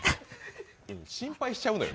心配しちゃうのよ